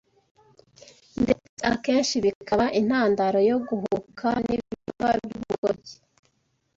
ndetse akenshi bikaba intandaro yo guhubuka n’ibikorwa by’ubugoryi.